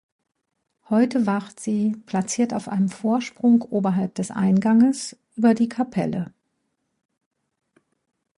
Heute wacht sie, platziert auf einem Vorsprung oberhalb des Einganges, über die Kapelle.